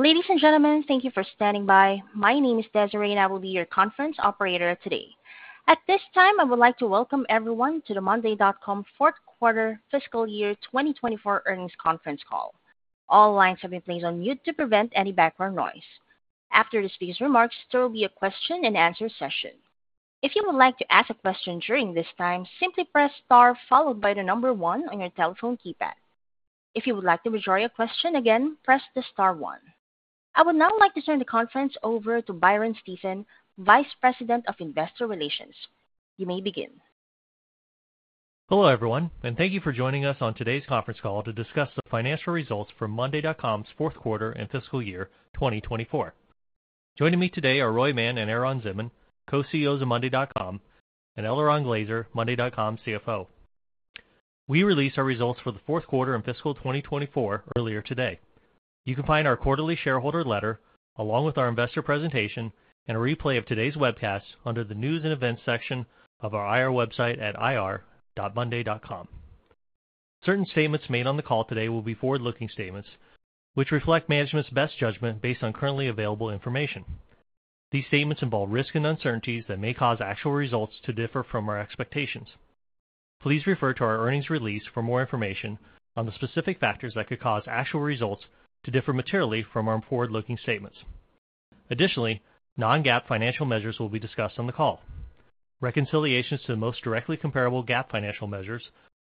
Ladies, and gentlemen, thank you for standing by. My name is Desiree, and I will be your conference Operator today. At this time, I would like to welcome everyone to the monday.com Fourth Quarter Fiscal Year 2024 Earnings Conference Call. All lines have been placed on mute to prevent any background noise. After this speaker's remarks, there will be a question-and-answer session. If you would like to ask a question during this time, simply press star followed by the number one on your telephone keypad. If you would like to withdraw your question again, press the star one. I would now like to turn the conference over to Byron Stephen, Vice President of Investor Relations. You may begin. Hello everyone, and thank you for joining us on today's conference call to discuss the financial results for monday.com's Fourth Quarter and Fiscal Year 2024. Joining me today are Roy Mann and Eran Zinman, Co-CEOs of monday.com, and Eliran Glazer, monday.com CFO. We released our results for the Fourth Quarter and Fiscal 2024 earlier today. You can find our quarterly shareholder letter, along with our investor presentation and a replay of today's webcast under the News and Events section of our IR website at ir.monday.com. Certain statements made on the call today will be forward-looking statements, which reflect management's best judgment based on currently available information. These statements involve risk and uncertainties that may cause actual results to differ from our expectations. Please refer to our earnings release for more information on the specific factors that could cause actual results to differ materially from our forward-looking statements. Additionally, non-GAAP financial measures will be discussed on the call. Reconciliations to the most directly comparable GAAP financial measures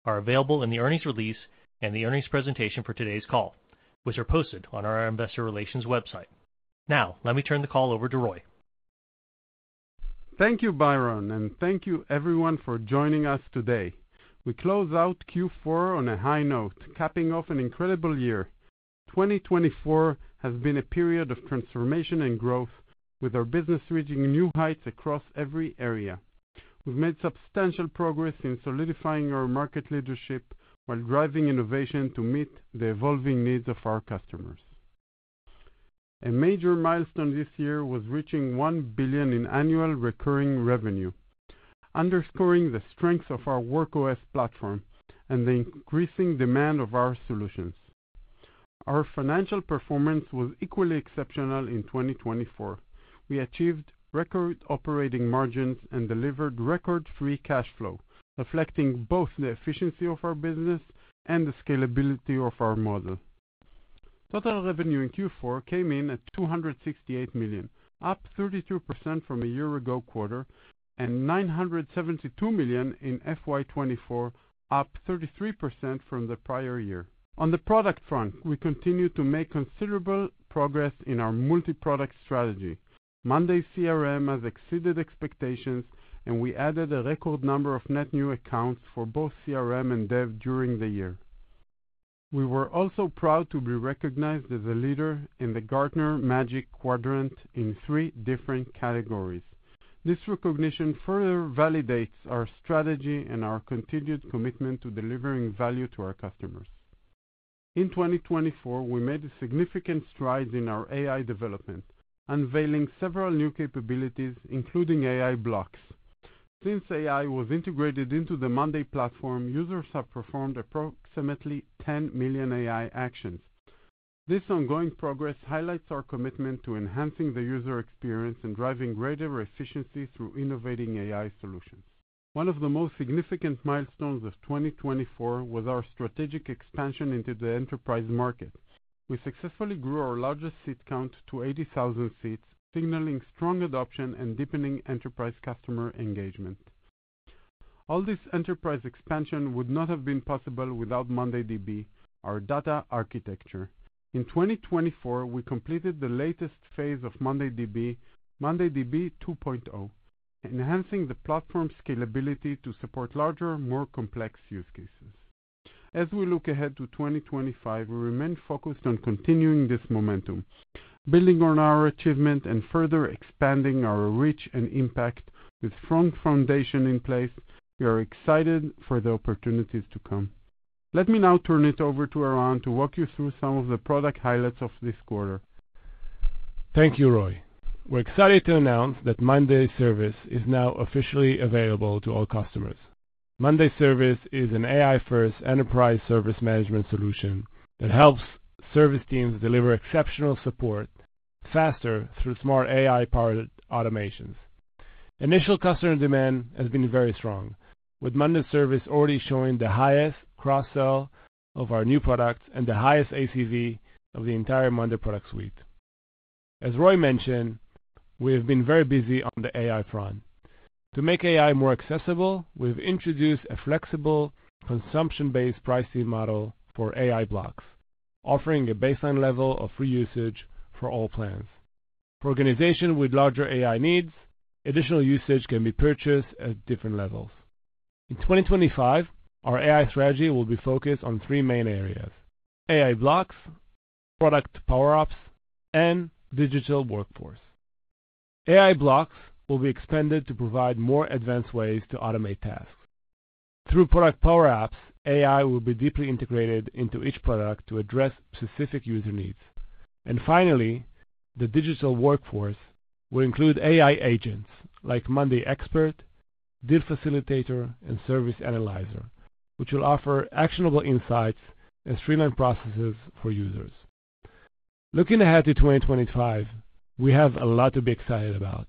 are available in the earnings release and the earnings presentation for today's call, which are posted on our Investor Relations website. Now, let me turn the call over to Roy. Thank you, Byron, and thank you everyone for joining us today. We close out Q4 on a high note, capping off an incredible year. 2024 has been a period of transformation and growth, with our business reaching new heights across every area. We've made substantial progress in solidifying our market leadership while driving innovation to meet the evolving needs of our customers. A major milestone this year was reaching $1 billion in annual recurring revenue, underscoring the strength of our Work OS platform and the increasing demand of our solutions. Our financial performance was equally exceptional in 2024. We achieved record operating margins and delivered record free cash flow, reflecting both the efficiency of our business and the scalability of our model. Total revenue in Q4 came in at $268 million, up 32% from a year-ago quarter, and $972 million in FY 2024, up 33% from the prior year. On the product front, we continue to make considerable progress in our multi-product strategy. monday CRM has exceeded expectations, and we added a record number of net new accounts for both CRM and dev during the year. We were also proud to be recognized as a leader in the Gartner Magic Quadrant in three different categories. This recognition further validates our strategy and our continued commitment to delivering value to our customers. In 2024, we made significant strides in our AI development, unveiling several new capabilities, including AI Blocks. Since AI was integrated into the monday platform, users have performed approximately 10 million AI actions. This ongoing progress highlights our commitment to enhancing the user experience and driving greater efficiency through innovating AI solutions. One of the most significant milestones of 2024 was our strategic expansion into the enterprise market. We successfully grew our largest seat count to 80,000 seats, signaling strong adoption and deepening enterprise customer engagement. All this enterprise expansion would not have been possible without mondayDB, our data architecture. In 2024, we completed the latest phase of mondayDB, mondayDB 2.0, enhancing the platform's scalability to support larger, more complex use cases. As we look ahead to 2025, we remain focused on continuing this momentum, building on our achievement and further expanding our reach and impact with a strong foundation in place. We are excited for the opportunities to come. Let me now turn it over to Eran to walk you through some of the product highlights of this quarter. Thank you, Roy. We're excited to announce that monday service is now officially available to all customers. monday service is an AI-first enterprise service management solution that helps service teams deliver exceptional support faster through smart AI-powered automations. Initial customer demand has been very strong, with monday service already showing the highest cross-sell of our new products and the highest ACV of the entire monday product suite. As Roy mentioned, we have been very busy on the AI front. To make AI more accessible, we've introduced a flexible consumption-based pricing model for AI Blocks, offering a baseline level of free usage for all plans. For organizations with larger AI needs, additional usage can be purchased at different levels. In 2025, our AI strategy will be focused on three main areas: AI Blocks, Product Power-ups, and Digital Workforce. AI Blocks will be expanded to provide more advanced ways to automate tasks. Through Product Power-ups, AI will be deeply integrated into each product to address specific user needs. And finally, the Digital Workforce will include AI agents like monday Expert, Deal Facilitator, and Service Analyzer, which will offer actionable insights and streamlined processes for users. Looking ahead to 2025, we have a lot to be excited about.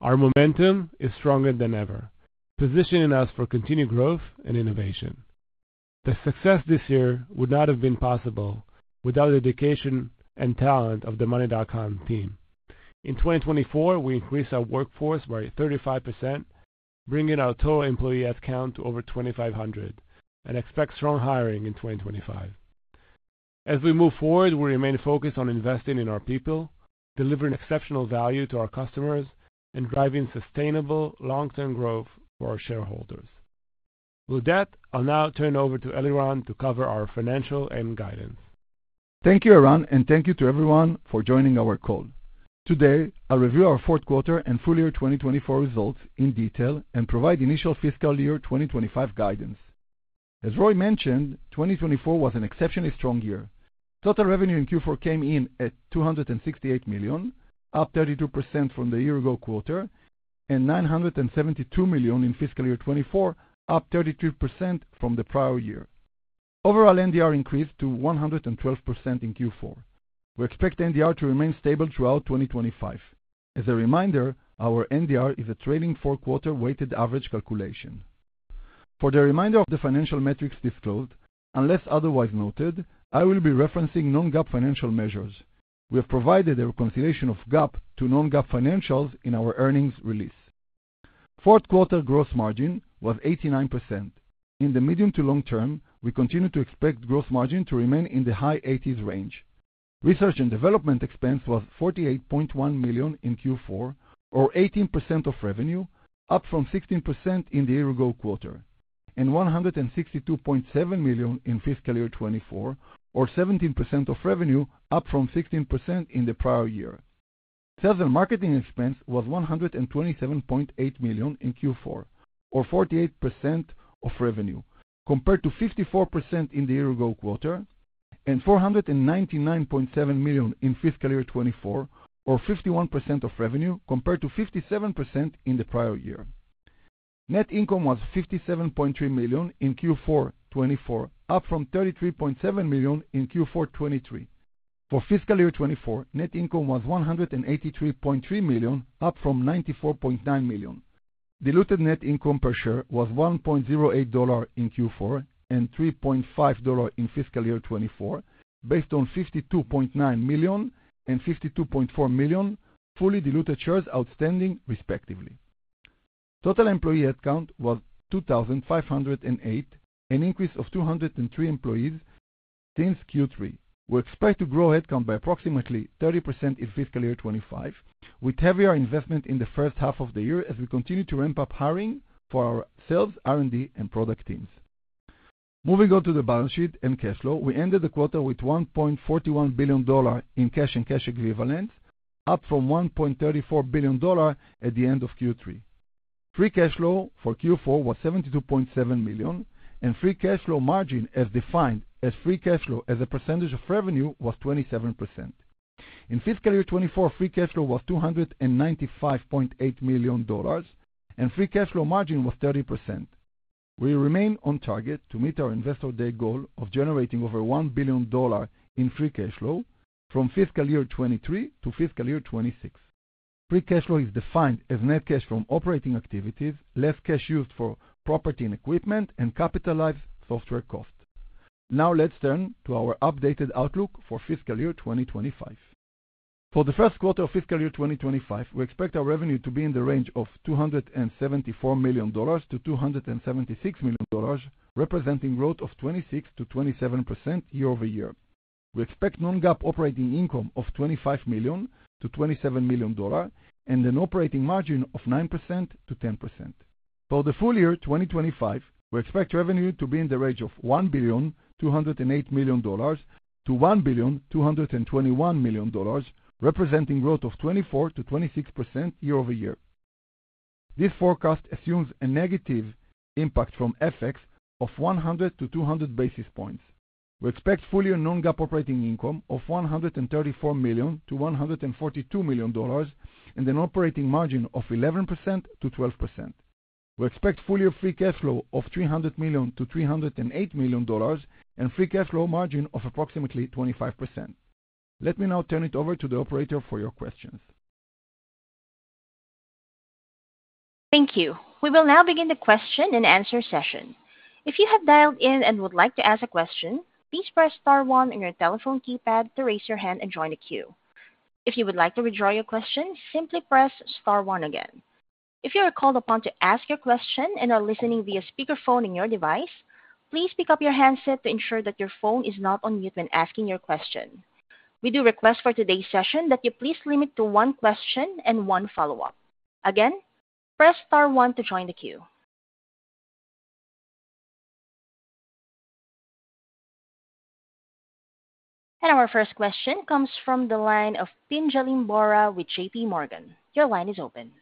Our momentum is stronger than ever, positioning us for continued growth and innovation. The success this year would not have been possible without the dedication and talent of the monday.com team. In 2024, we increased our workforce by 35%, bringing our total employee count to over 2,500, and expect strong hiring in 2025. As we move forward, we remain focused on investing in our people, delivering exceptional value to our customers, and driving sustainable long-term growth for our shareholders. With that, I'll now turn over to Eliran to cover our financial and guidance. Thank you, Eran, and thank you to everyone for joining our call. Today, I'll review our Fourth Quarter and Full Year 2024 results in detail and provide initial fiscal year 2025 guidance. As Roy mentioned, 2024 was an exceptionally strong year. Total revenue in Q4 came in at $268 million, up 32% from the year-ago quarter, and $972 million in fiscal year 2024, up 33% from the prior year. Overall NDR increased to 112% in Q4. We expect NDR to remain stable throughout 2025. As a reminder, our NDR is a trailing four-quarter weighted average calculation. For the remainder of the financial metrics disclosed, unless otherwise noted, I will be referencing non-GAAP financial measures. We have provided a reconciliation of GAAP to non-GAAP financials in our earnings release. Fourth Quarter gross margin was 89%. In the medium to long term, we continue to expect gross margin to remain in the high 80s range. Research and development expense was $48.1 million in Q4, or 18% of revenue, up from 16% in the year-ago quarter, and $162.7 million in fiscal year 2024, or 17% of revenue, up from 16% in the prior year. Sales and marketing expense was $127.8 million in Q4, or 48% of revenue, compared to 54% in the year-ago quarter, and $499.7 million in fiscal year 2024, or 51% of revenue, compared to 57% in the prior year. Net income was $57.3 million in Q4 2024, up from $33.7 million in Q4 2023. For fiscal year 2024, net income was $183.3 million, up from $94.9 million. Diluted net income per share was $1.08 in Q4 and $3.5 in fiscal year 2024, based on $52.9 million and $52.4 million fully diluted shares outstanding, respectively. Total employee headcount was 2,508, an increase of 203 employees since Q3. We expect to grow headcount by approximately 30% in fiscal year 2025, with heavier investment in the first half of the year as we continue to ramp-up hiring for our sales, R&D, and product teams. Moving on to the balance sheet and cash flow, we ended the quarter with $1.41 billion in cash and cash equivalents, up from $1.34 billion at the end of Q3. Free cash flow for Q4 was $72.7 million, and free cash flow margin as defined as free cash flow as a percentage of revenue was 27%. In fiscal year 2024, free cash flow was $295.8 million, and free cash flow margin was 30%. We remain on target to meet our Investor Day goal of generating over $1 billion in free cash flow from fiscal year 2023 to fiscal year 2026. Free Cash Flow is defined as net cash from operating activities, less cash used for property and equipment, and capitalized software costs. Now let's turn to our updated outlook for fiscal year 2025. For the first quarter of fiscal year 2025, we expect our revenue to be in the range of $274 million-$276 million, representing growth of 26%-27% year-over-year. We expect non-GAAP operating income of $25 million-$27 million, and an operating margin of 9%-10%. For the full year 2025, we expect revenue to be in the range of $1,208 million-$1,221 million, representing growth of 24%-26% year-over-year. This forecast assumes a negative impact from FX of 100-200 basis points. We expect full year non-GAAP operating income of $134 million-$142 million, and an operating margin of 11%-12%. We expect full year free cash flow of $300 million-$308 million, and free cash flow margin of approximately 25%. Let me now turn it over to the operator for your questions. Thank you. We will now begin the question and answer session. If you have dialed in and would like to ask a question, please press star one on your telephone keypad to raise your hand and join the queue. If you would like to withdraw your question, simply press star one again. If you are called upon to ask your question and are listening via speakerphone in your device, please pick up your handset to ensure that your phone is not on mute when asking your question. We do request for today's session that you please limit to one question and one follow-up. Again, press star one to join the queue. And our first question comes from the line of Pinjalim Bora with J.P. Morgan. Your line is open.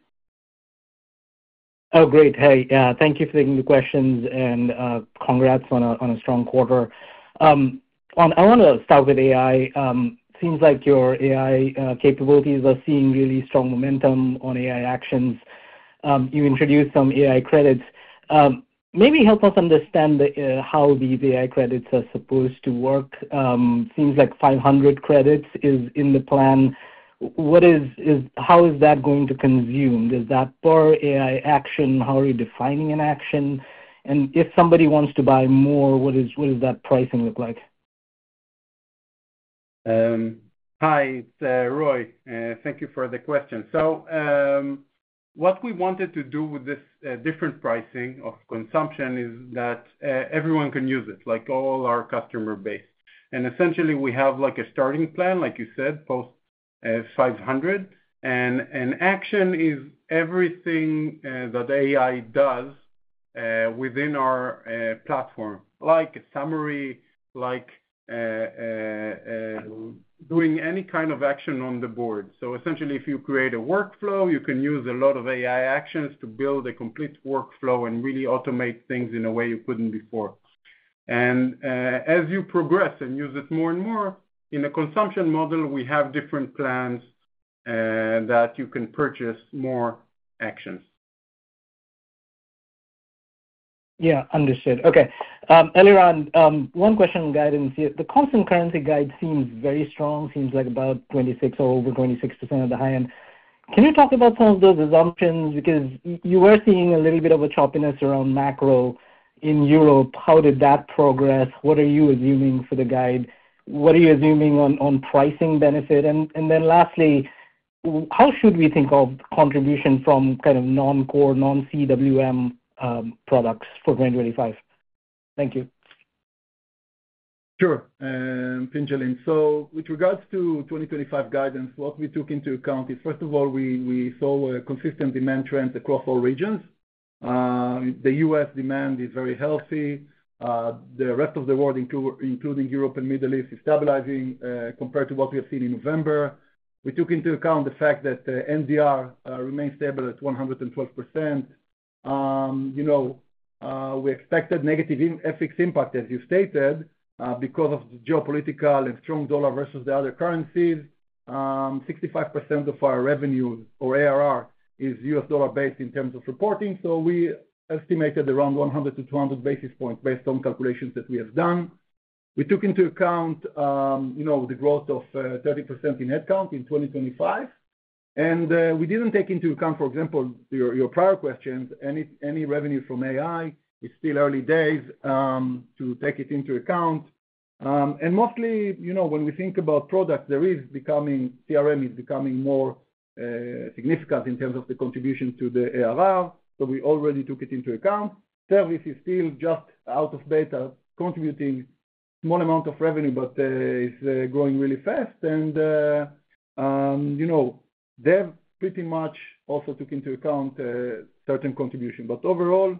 Oh, great. Hey, thank you for taking the questions, and congrats on a strong quarter. I want to start with AI. It seems like your AI capabilities are seeing really strong momentum on AI actions. You introduced some AI credits. Maybe help us understand how these AI credits are supposed to work. It seems like 500 credits is in the plan. How is that going to consume? Is that per AI action? How are you defining an action? And if somebody wants to buy more, what does that pricing look like? Hi, it's Roy. Thank you for the question. So what we wanted to do with this different pricing of consumption is that everyone can use it, like all our customer base. And essentially, we have a starting plan, like you said, post-500. And an action is everything that AI does within our platform, like a summary, like doing any kind of action on the board. So essentially, if you create a workflow, you can use a lot of AI actions to build a complete workflow and really automate things in a way you couldn't before. And as you progress and use it more and more, in the consumption model, we have different plans that you can purchase more actions. Yeah, understood. Okay. Eliran, one question on guidance here. The constant currency guide seems very strong, seems like about 26% or over 26% at the high end. Can you talk about some of those assumptions? Because you were seeing a little bit of a choppiness around macro in Europe. How did that progress? What are you assuming for the guide? What are you assuming on pricing benefit? And then lastly, how should we think of contribution from kind of non-core, non-CWM products for 2025? Thank you. Sure. Pinjalim. With regards to 2025 guidance, what we took into account is, first of all, we saw a consistent demand trend across all regions. The U.S. demand is very healthy. The rest of the world, including Europe and the Middle East, is stabilizing compared to what we have seen in November. We took into account the fact that NDR remains stable at 112%. We expected negative FX impact, as you stated, because of the geopolitical and strong dollar versus the other currencies. 65% of our revenue, or ARR, is U.S. dollar-based in terms of reporting. So we estimated around 100-200 basis points based on calculations that we have done. We took into account the growth of 30% in headcount in 2025, and we didn't take into account, for example, your prior questions. Any revenue from AI is still early days to take it into account. Mostly, when we think about products, the monday CRM is becoming more significant in terms of the contribution to the ARR. So we already took it into account. Monday service is still just out of beta contributing a small amount of revenue, but it's growing really fast. They've pretty much also took into account certain contribution. Overall,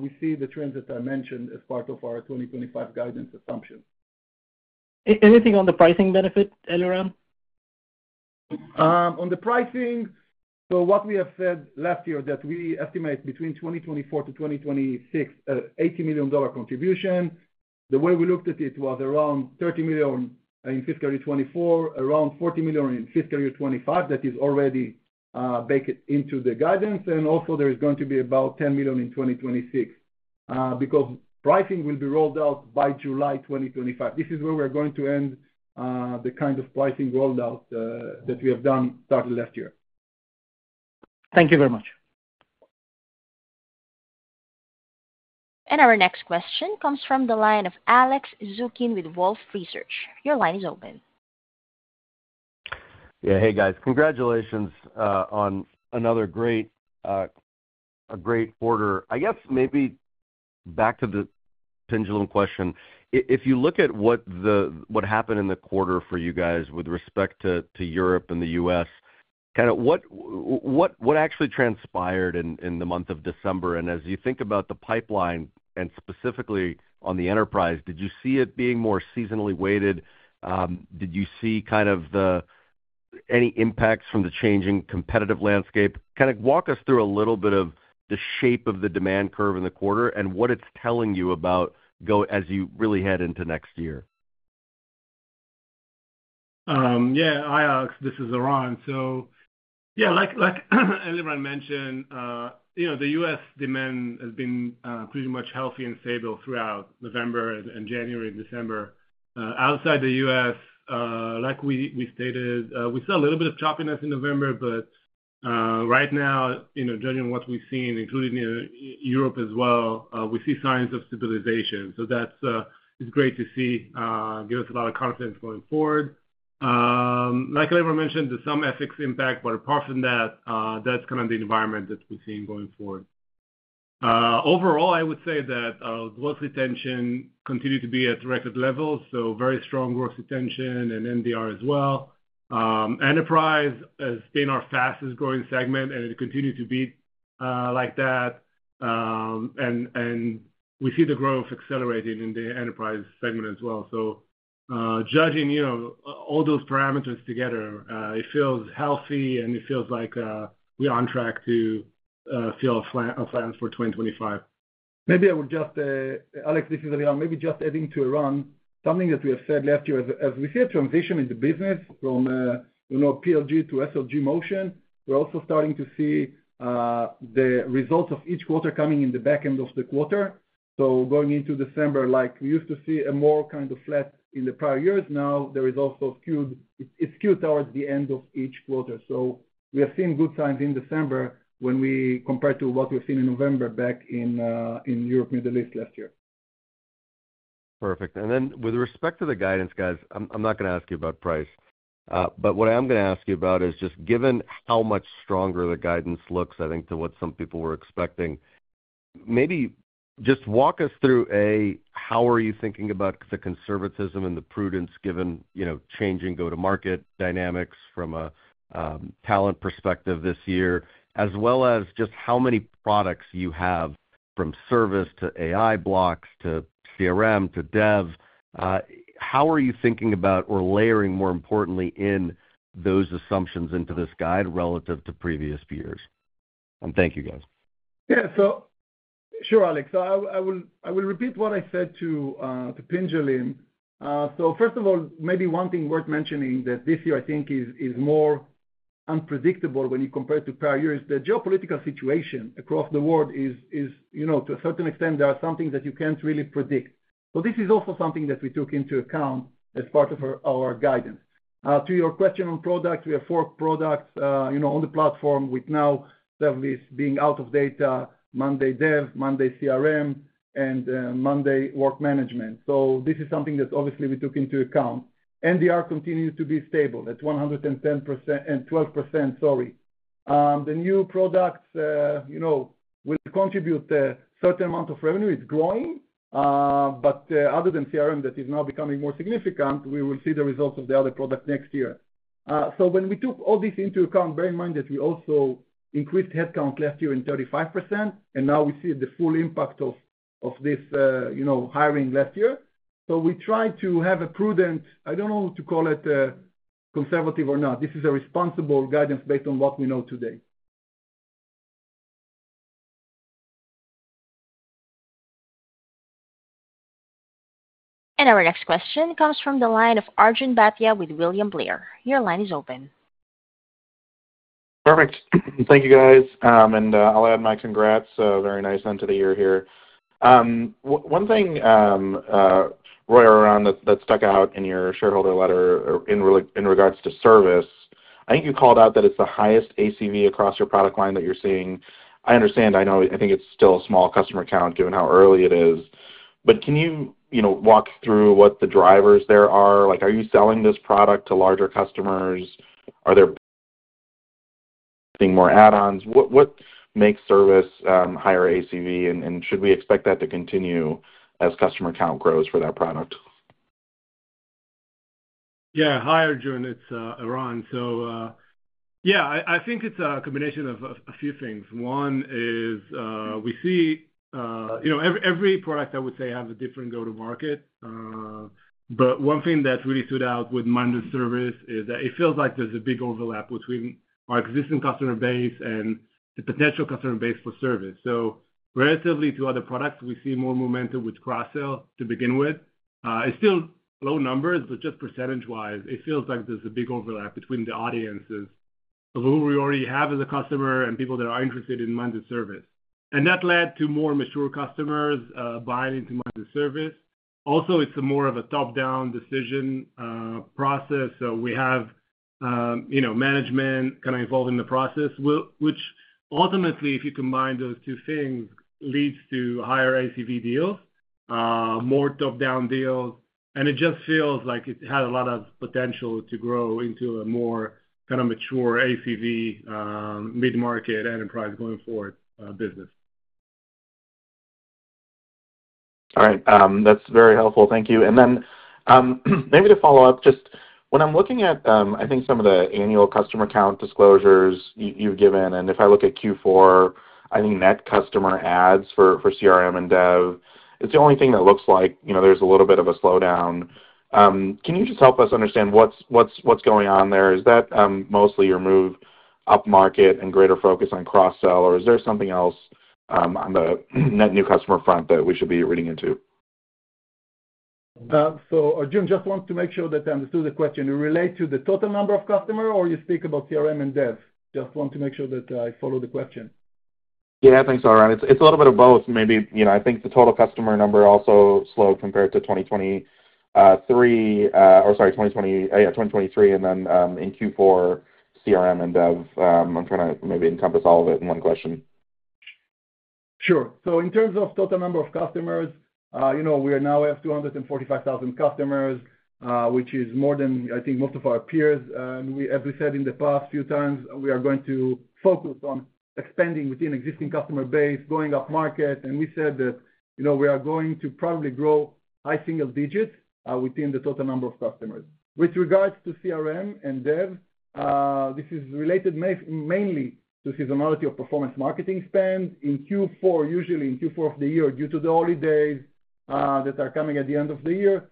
we see the trends that I mentioned as part of our 2025 guidance assumption. Anything on the pricing benefit, Eliran? On the pricing, so what we have said last year that we estimate between 2024-2026, $80 million contribution. The way we looked at it was around $30 million in fiscal year 2024, around $40 million in fiscal year 2025. That is already baked into the guidance, and also there is going to be about $10 million in 2026 because pricing will be rolled out by July 2025. This is where we're going to end the kind of pricing rollout that we have done starting last year. Thank you very much. And our next question comes from the line of Alex Zukin with Wolfe Research. Your line is open. Yeah, hey, guys. Congratulations on another great quarter. I guess maybe back to the Pinjalim question. If you look at what happened in the quarter for you guys with respect to Europe and the U.S., kind of what actually transpired in the month of December? And as you think about the pipeline and specifically on the enterprise, did you see it being more seasonally weighted? Did you see kind of any impacts from the changing competitive landscape? Kind of walk us through a little bit of the shape of the demand curve in the quarter and what it's telling you about as you really head into next year. Yeah, hi Alex. This is Eran. So yeah, like Eliran mentioned, the U.S. demand has been pretty much healthy and stable throughout November and January and December. Outside the U.S., like we stated, we saw a little bit of choppiness in November, but right now, judging what we've seen, including Europe as well, we see signs of stabilization. So that's great to see, gives us a lot of confidence going forward. Like Eliran mentioned, there's some FX impact, but apart from that, that's kind of the environment that we're seeing going forward. Overall, I would say that gross retention continued to be at record levels, so very strong gross retention and NDR as well. Enterprise has been our fastest growing segment, and it continued to be like that. And we see the growth accelerating in the enterprise segment as well. So judging all those parameters together, it feels healthy, and it feels like we're on track to fill our plans for 2025. Maybe I would just, Alex, this is Eliran, maybe just adding to Eran, something that we have said last year, as we see a transition in the business from PLG to SLG motion, we're also starting to see the results of each quarter coming in the back end of the quarter. So going into December, like we used to see a more kind of flat in the prior years, now it's also skewed towards the end of each quarter. So we have seen good signs in December when we compare to what we've seen in November back in Europe, Middle East last year. Perfect. And then with respect to the guidance, guys, I'm not going to ask you about price. But what I am going to ask you about is just given how much stronger the guidance looks, I think, to what some people were expecting, maybe just walk us through how are you thinking about the conservatism and the prudence given changing go-to-market dynamics from a talent perspective this year, as well as just how many products you have from service to AI Blocks to CRM to dev? How are you thinking about or layering, more importantly, in those assumptions into this guide relative to previous years? And thank you, guys. Yeah, so sure, Alex. So I will repeat what I said to Pinjalim. So first of all, maybe one thing worth mentioning that this year, I think, is more unpredictable when you compare it to prior years is the geopolitical situation across the world is, to a certain extent, there are some things that you can't really predict. So this is also something that we took into account as part of our guidance. To your question on products, we have four products on the platform with now service being out of beta, monday dev, monday CRM, and monday work management. So this is something that obviously we took into account. NDR continues to be stable at 110% and 112%, sorry. The new products will contribute a certain amount of revenue. It's growing. But other than CRM, that is now becoming more significant, we will see the results of the other products next year. So when we took all this into account, bear in mind that we also increased headcount last year in 35%, and now we see the full impact of this hiring last year. So we tried to have a prudent, I don't know, to call it conservative or not. This is a responsible guidance based on what we know today. Our next question comes from the line of Arjun Bhatia with William Blair. Your line is open. Perfect. Thank you, guys, and I'll add my congrats. Very nice end to the year here. One thing, Roy or Eran, that stuck out in your shareholder letter in regards to service, I think you called out that it's the highest ACV across your product line that you're seeing. I understand. I think it's still a small customer count given how early it is. But can you walk through what the drivers there are? Are you selling this product to larger customers? Are there being more add-ons? What makes service higher ACV? And should we expect that to continue as customer count grows for that product? Yeah, hi, Arjun. It's Eran. So yeah, I think it's a combination of a few things. One is we see every product, I would say, has a different go-to-market. But one thing that really stood out with monday service is that it feels like there's a big overlap between our existing customer base and the potential customer base for service. So relatively to other products, we see more momentum with cross-sale to begin with. It's still low numbers, but just percentage-wise, it feels like there's a big overlap between the audiences of who we already have as a customer and people that are interested in monday service. And that led to more mature customers buying into monday service. Also, it's more of a top-down decision process. So we have management kind of involved in the process, which ultimately, if you combine those two things, leads to higher ACV deals, more top-down deals. And it just feels like it had a lot of potential to grow into a more kind of mature ACV mid-market enterprise going forward business. All right. That's very helpful. Thank you. And then maybe to follow-up, just when I'm looking at, I think, some of the annual customer count disclosures you've given, and if I look at Q4, I think net customer adds for CRM and dev, it's the only thing that looks like there's a little bit of a slowdown. Can you just help us understand what's going on there? Is that mostly your move up market and greater focus on cross-sell? Or is there something else on the net new customer front that we should be reading into? So Arjun, just want to make sure that I understood the question. You relate to the total number of customers, or you speak about CRM and dev? Just want to make sure that I follow the question. Yeah, thanks, Eliran. It's a little bit of both. Maybe I think the total customer number also slowed compared to 2023, and then in Q4, CRM and dev. I'm trying to maybe encompass all of it in one question. Sure. So in terms of total number of customers, we now have 245,000 customers, which is more than, I think, most of our peers. And as we said in the past few times, we are going to focus on expanding within existing customer base, going up market. And we said that we are going to probably grow high single digits within the total number of customers. With regards to CRM and dev, this is related mainly to seasonality of performance marketing spend. In Q4, usually in Q4 of the year, due to the holidays that are coming at the end of the year,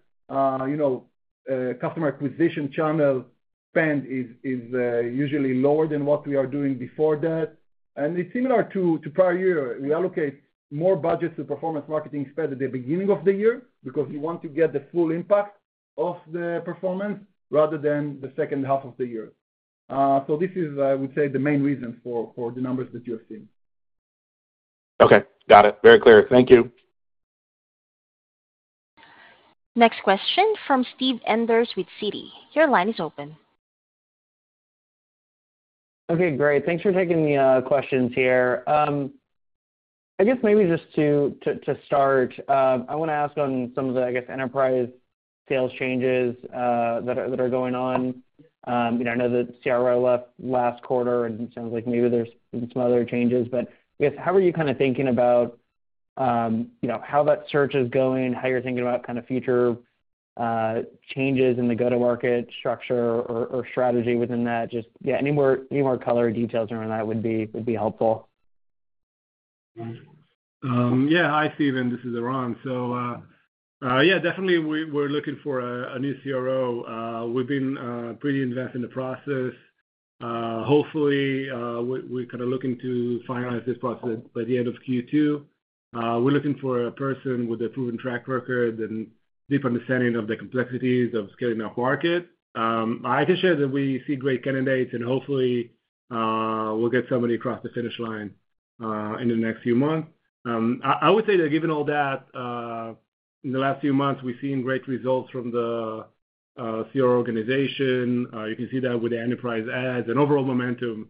customer acquisition channel spend is usually lower than what we are doing before that. And it's similar to prior year. We allocate more budgets to performance marketing spend at the beginning of the year because we want to get the full impact of the performance rather than the second half of the year, so this is, I would say, the main reason for the numbers that you're seeing. Okay. Got it. Very clear. Thank you. Next question from Steve Enders with Citi. Your line is open. Okay, great. Thanks for taking the questions here. I guess maybe just to start, I want to ask on some of the, I guess, enterprise sales changes that are going on. I know that CRO left last quarter, and it sounds like maybe there's been some other changes. But I guess, how are you kind of thinking about how that search is going, how you're thinking about kind of future changes in the go-to-market structure or strategy within that? Just, yeah, any more color details around that would be helpful. Yeah, hi Steven. This is Eliran. So yeah, definitely, we're looking for a new CRO. We've been pretty invested in the process. Hopefully, we're kind of looking to finalize this process by the end of Q2. We're looking for a person with a proven track record and deep understanding of the complexities of scaling up market. I can share that we see great candidates, and hopefully, we'll get somebody across the finish line in the next few months. I would say that given all that, in the last few months, we've seen great results from the CRO organization. You can see that with the enterprise ads, and overall momentum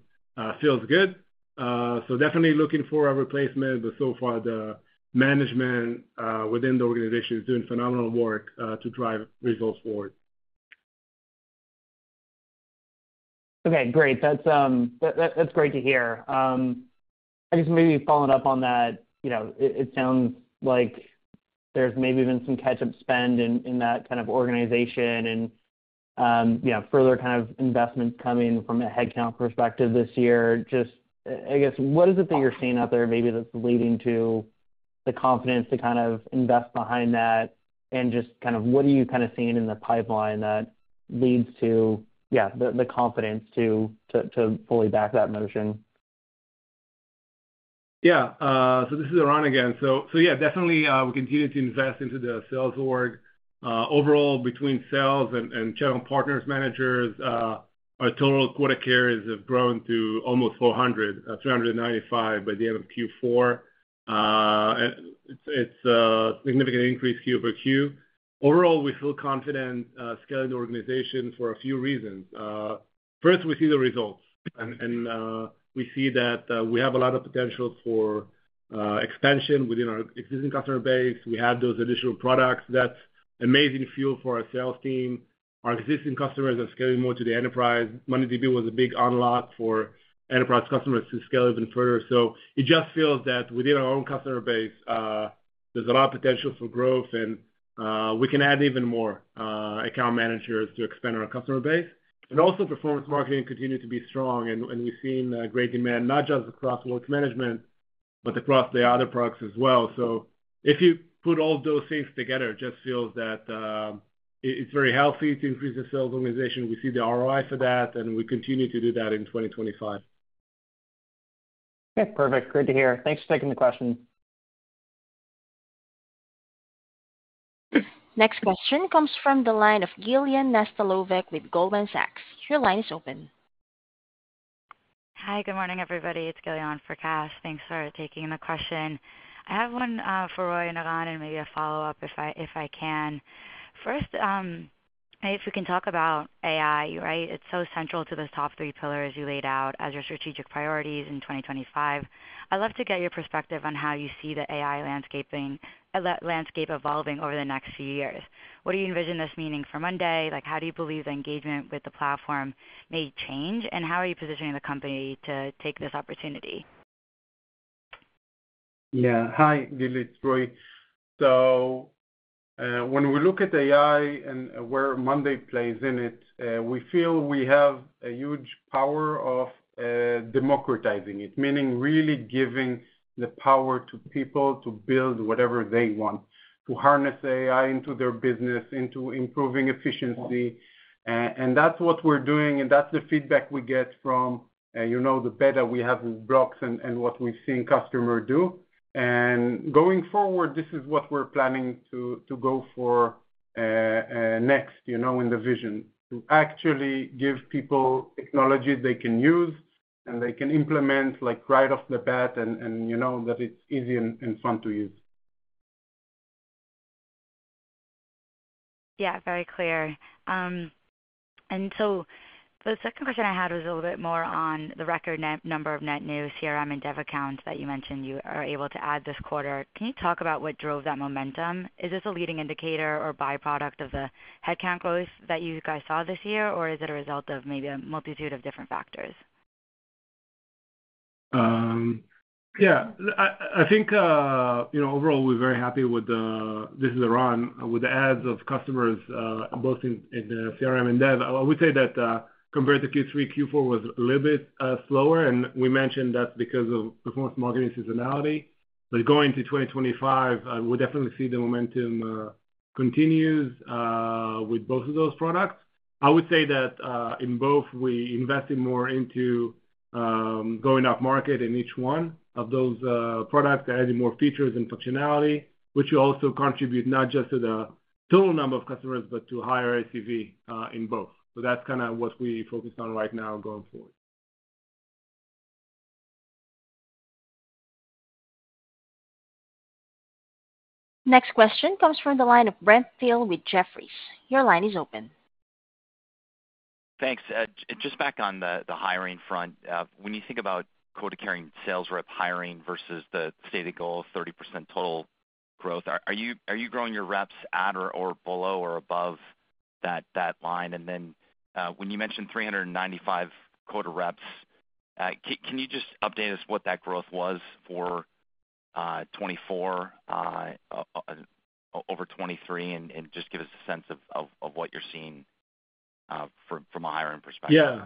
feels good. So definitely looking for a replacement, but so far, the management within the organization is doing phenomenal work to drive results forward. Okay, great. That's great to hear. I guess maybe following up on that, it sounds like there's maybe been some catch-up spend in that kind of organization and further kind of investments coming from a headcount perspective this year. Just, I guess, what is it that you're seeing out there maybe that's leading to the confidence to kind of invest behind that? And just kind of what are you kind of seeing in the pipeline that leads to, yeah, the confidence to fully back that motion? Yeah. So this is Eran again. So yeah, definitely, we continue to invest into the sales org. Overall, between sales and general partner managers, our total quota carriers have grown to almost 395 by the end of Q4. It's a significant increase Q-over-Q. Overall, we feel confident scaling the organization for a few reasons. First, we see the results, and we see that we have a lot of potential for expansion within our existing customer base. We have those additional products. That's amazing fuel for our sales team. Our existing customers are scaling more to the enterprise. mondayDB was a big unlock for enterprise customers to scale even further. So it just feels that within our own customer base, there's a lot of potential for growth, and we can add even more account managers to expand our customer base. And also, performance marketing continued to be strong, and we've seen great demand, not just across Work Management, but across the other products as well. So if you put all those things together, it just feels that it's very healthy to increase the sales organization. We see the ROI for that, and we continue to do that in 2025. Okay. Perfect. Great to hear. Thanks for taking the question. Next question comes from the line of Gillian Naftalovich with Goldman Sachs. Your line is open. Hi, good morning, everybody. It's Gillian for Kash. Thanks for taking the question. I have one for Roy and Eran and maybe a follow-up if I can. First, if we can talk about AI, right? It's so central to the top three pillars you laid out as your strategic priorities in 2025. I'd love to get your perspective on how you see the AI landscape evolving over the next few years. What do you envision this meaning for monday? How do you believe the engagement with the platform may change? And how are you positioning the company to take this opportunity? Yeah. Hi, Gillian. It's Roy. So when we look at AI and where monday plays in it, we feel we have a huge power of democratizing it, meaning really giving the power to people to build whatever they want, to harness AI into their business, into improving efficiency. And that's what we're doing, and that's the feedback we get from the beta we have in Blocks and what we've seen customers do. And going forward, this is what we're planning to go for next in the vision, to actually give people technology they can use and they can implement right off the bat and that it's easy and fun to use. Yeah, very clear. And so the second question I had was a little bit more on the record number of net new CRM and dev accounts that you mentioned you are able to add this quarter. Can you talk about what drove that momentum? Is this a leading indicator or byproduct of the headcount growth that you guys saw this year, or is it a result of maybe a multitude of different factors? Yeah. I think overall, we're very happy with the adds of customers both in CRM and dev. I would say that compared to Q3, Q4 was a little bit slower, and we mentioned that's because of performance marketing seasonality, but going to 2025, we'll definitely see the momentum continue with both of those products. I would say that in both, we invested more into going up market in each one of those products that added more features and functionality, which will also contribute not just to the total number of customers, but to higher ACV in both. So that's kind of what we focus on right now going forward. Next question comes from the line of Brent Thill with Jefferies. Your line is open. Thanks. Just back on the hiring front, when you think about quota carrying sales rep hiring versus the stated goal of 30% total growth, are you growing your reps at or below or above that line? And then when you mentioned 395 quota reps, can you just update us what that growth was for 2024, over 2023, and just give us a sense of what you're seeing from a hiring perspective? Yeah.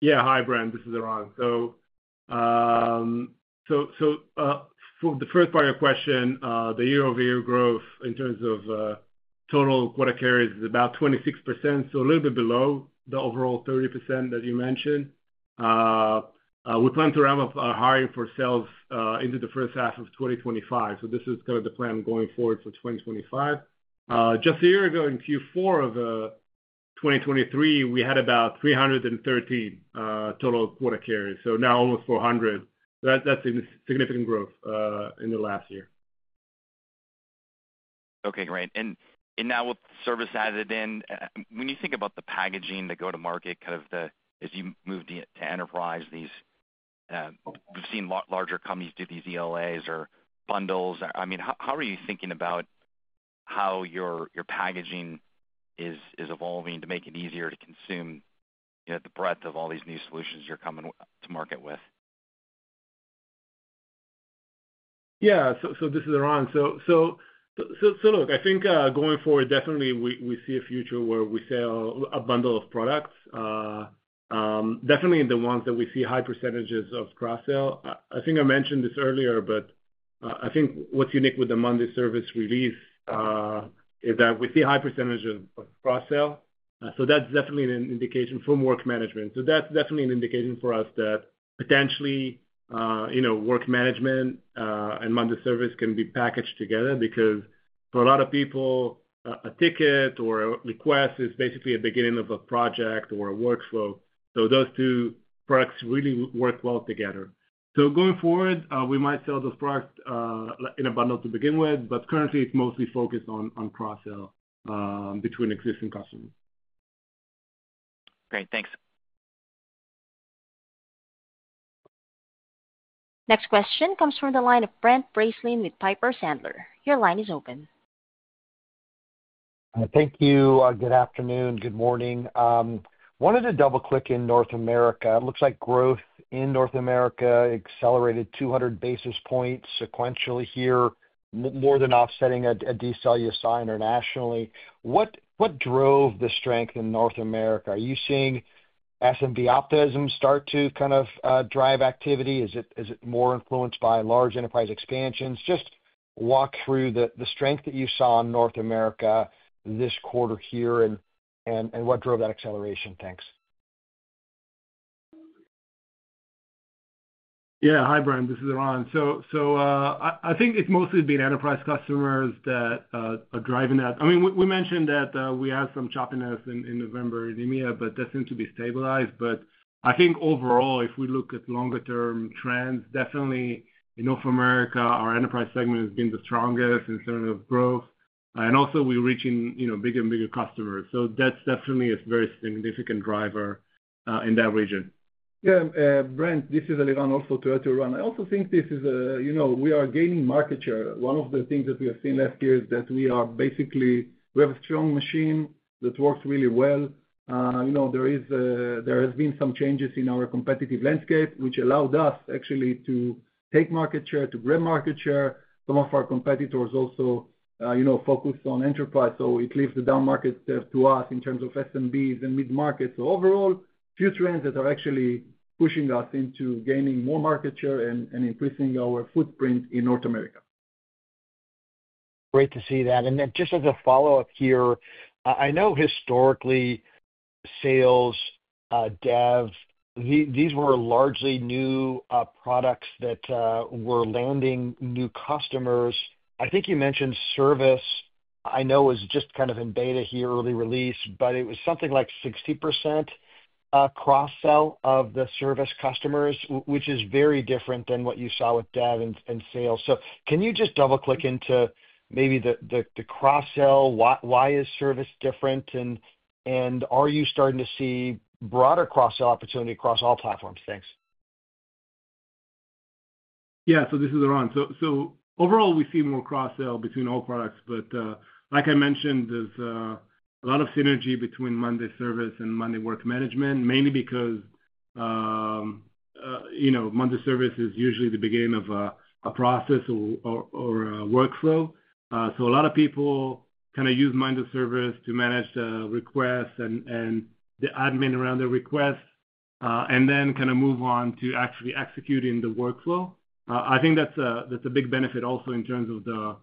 Yeah. Hi, Brent. This is Eran, so for the first part of your question, the year-over-year growth in terms of total quota carries is about 26%, so a little bit below the overall 30% that you mentioned. We plan to ramp up our hiring for sales into the first half of 2025, so this is kind of the plan going forward for 2025. Just a year ago in Q4 of 2023, we had about 313 total quota carries, so now almost 400. That's a significant growth in the last year. Okay. Great. And now with service added in, when you think about the packaging, the go-to-market, kind of as you move to enterprise, we've seen larger companies do these ELAs or bundles. I mean, how are you thinking about how your packaging is evolving to make it easier to consume the breadth of all these new solutions you're coming to market with? Yeah. So this is Eran. So look, I think going forward, definitely, we see a future where we sell a bundle of products, definitely the ones that we see high percentages of cross-sell. I think I mentioned this earlier, but I think what's unique with the monday service release is that we see high percentages of cross-sell. So that's definitely an indication from monday work management. So that's definitely an indication for us that potentially monday work management and monday service can be packaged together because for a lot of people, a ticket or a request is basically a beginning of a project or a workflow. So those two products really work well together. So going forward, we might sell those products in a bundle to begin with, but currently, it's mostly focused on cross-sell between existing customers. Great. Thanks. Next question comes from the line of Brent Bracelin with Piper Sandler. Your line is open. Thank you. Good afternoon. Good morning. Wanted to double-click in North America. It looks like growth in North America accelerated 200 basis points sequentially here, more than offsetting a decel you saw internationally. What drove the strength in North America? Are you seeing SMB optimism start to kind of drive activity? Is it more influenced by large enterprise expansions? Just walk through the strength that you saw in North America this quarter here and what drove that acceleration. Thanks. Yeah. Hi, Brent. This is Eran. So I think it's mostly been enterprise customers that are driving that. I mean, we mentioned that we had some choppiness in November and in May, but that seemed to be stabilized. But I think overall, if we look at longer-term trends, definitely in North America, our enterprise segment has been the strongest in terms of growth. And also, we're reaching bigger and bigger customers. So that's definitely a very significant driver in that region. Yeah. Brent, this is Eliran also to Eran. I also think this is we are gaining market share. One of the things that we have seen last year is that we have a strong machine that works really well. There has been some changes in our competitive landscape, which allowed us actually to take market share, to grab market share. Some of our competitors also focused on enterprise, so it leaves the down market to us in terms of SMBs and mid-markets. So overall, few trends that are actually pushing us into gaining more market share and increasing our footprint in North America. Great to see that. And then just as a follow-up here, I know historically, sales, dev, these were largely new products that were landing new customers. I think you mentioned service. I know it was just kind of in beta here, early release, but it was something like 60% cross-sell of the service customers, which is very different than what you saw with dev and sales. So can you just double-click into maybe the cross-sell? Why is service different? And are you starting to see broader cross-sell opportunity across all platforms? Thanks. Yeah. So this is Eran. So overall, we see more cross-sell between all products. But like I mentioned, there's a lot of synergy between monday service and monday work management, mainly because monday service is usually the beginning of a process or a workflow. So a lot of people kind of use monday service to manage the requests and the admin around the requests and then kind of move on to actually executing the workflow. I think that's a big benefit also in terms of kind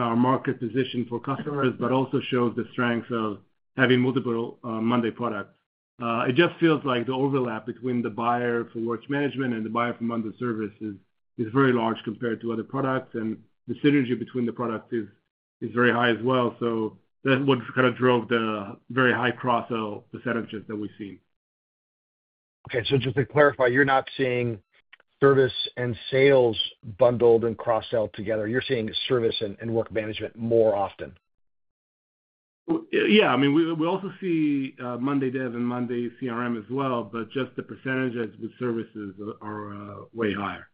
of our market position for customers, but also shows the strength of having multiple monday products. It just feels like the overlap between the buyer for Work Management and the buyer for monday service is very large compared to other products. And the synergy between the products is very high as well. So that's what kind of drove the very high cross-sell percentages that we've seen. Okay. So just to clarify, you're not seeing service and sales bundled and cross-sell together. You're seeing service and Work Management more often. Yeah. I mean, we also see monday dev and monday CRM as well, but just the percentages with services are way higher.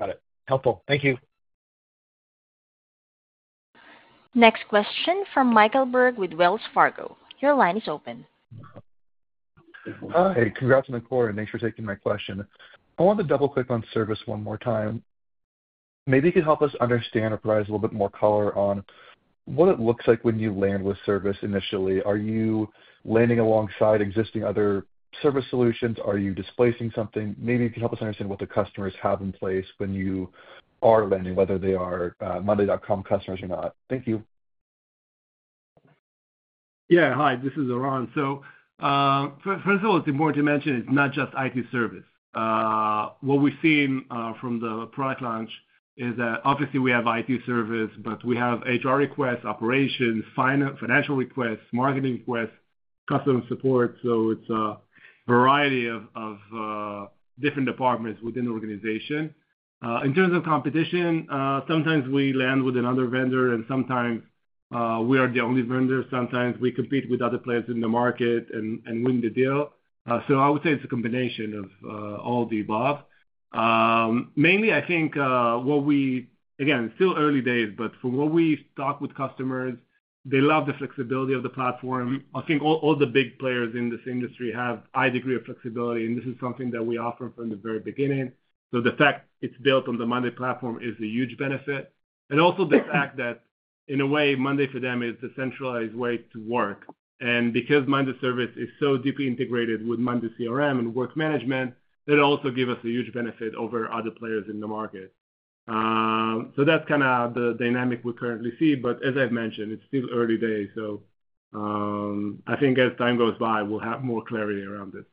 Got it. Helpful. Thank you. Next question from Michael Berg with Wells Fargo. Your line is open. Hi. Congrats on the quarter. Thanks for taking my question. I want to double-click on service one more time. Maybe you could help us understand or provide us a little bit more color on what it looks like when you land with service initially. Are you landing alongside existing other service solutions? Are you displacing something? Maybe you can help us understand what the customers have in place when you are landing, whether they are monday.com customers or not. Thank you. Yeah. Hi. This is Eran, so first of all, it's important to mention it's not just IT service. What we've seen from the product launch is that obviously we have IT service, but we have HR requests, operations, financial requests, marketing requests, customer support. So it's a variety of different departments within the organization. In terms of competition, sometimes we land with another vendor, and sometimes we are the only vendor. Sometimes we compete with other players in the market and win the deal. So I would say it's a combination of all the above. Mainly, I think what we again still early days, but from what we talk with customers, they love the flexibility of the platform. I think all the big players in this industry have a high degree of flexibility, and this is something that we offer from the very beginning. So the fact it's built on the monday platform is a huge benefit. And also the fact that in a way, monday for them is the centralized way to work. And because monday service is so deeply integrated with monday CRM and Work Management, that also gives us a huge benefit over other players in the market. So that's kind of the dynamic we currently see. But as I've mentioned, it's still early days. So I think as time goes by, we'll have more clarity around this.